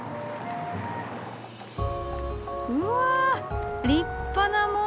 うわ立派な門！